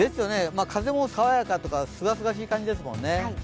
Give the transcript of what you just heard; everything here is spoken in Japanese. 風もさわやかというか、すがすがしい感じですもんね。